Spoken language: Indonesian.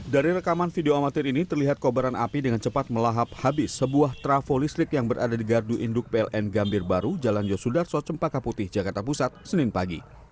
dari rekaman video amatir ini terlihat kobaran api dengan cepat melahap habis sebuah trafo listrik yang berada di gardu induk pln gambir baru jalan yosudarso cempaka putih jakarta pusat senin pagi